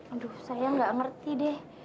aduh sayang gak ngerti deh